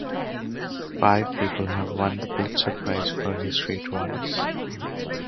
Five people have won the Pulitzer Prize for History twice.